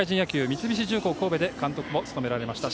三菱重工神戸で監督を務められました